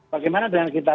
bagaimana dengan kita